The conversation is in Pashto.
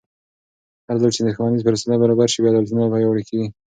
هرځل چې ښوونیز فرصتونه برابر شي، بې عدالتي نه پیاوړې کېږي.